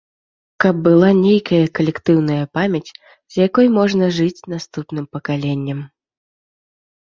Каб была нейкая калектыўная памяць, з якой можна жыць наступным пакаленням.